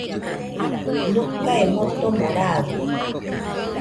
Nokae motomo raɨ,